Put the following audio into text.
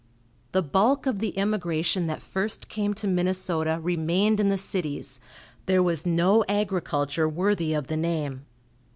The bulk of the immigration that first came to Minnesota remained in the cities; there was no agriculture worthy of the name.